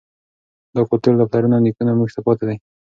دا کلتور له پلرونو او نیکونو موږ ته پاتې دی.